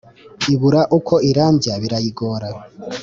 Ibura ukwo irambya birayigora